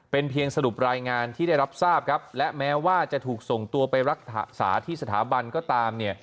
เป็นเพียงสรุปรายงานที่ได้รับทราบครับและแม้ว่าจะถูกส่งตัวไปรักษาที่สถาบันก็ตามเนี่ย